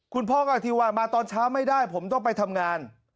คุณพ่อก็อธิบายมาตอนเช้าไม่ได้ผมต้องไปทำงาน